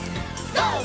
ＧＯ！